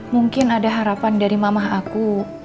mungkin ada harapan dari mamah aku